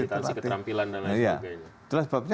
militansi keterampilan dan lain sebagainya